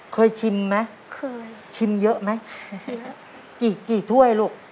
เคยชิมไหมเคยชิมเยอะไหมกี่กี่ถ้วยลูก